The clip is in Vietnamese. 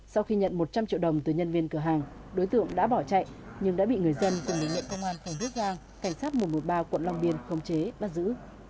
sau khi nhận một trăm linh triệu đồng từ nhân viên cửa hàng đối tượng đã bỏ chạy nhưng đã bị người dân cùng lực lượng công an phường phước giang cảnh sát một trăm một mươi ba quận long biên khống chế bắt giữ